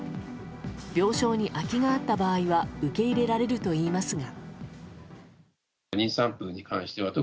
病床に空きがあった場合は受け入れられるといいますが。